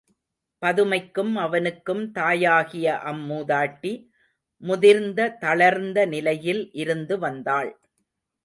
பதுமைக்கும் அவனுக்கும் தாயாகிய அம் மூதாட்டி முதிர்ந்த தளர்ந்த நிலையில் இருந்து வந்தாள்.